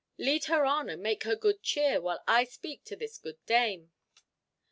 Lead her on and make her good cheer, while I speak to this good dame."